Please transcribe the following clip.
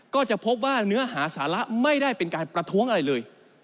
ก็จะพบว่าเนื้อหาสาระไม่ได้เป็นการประท้วงอะไรเลย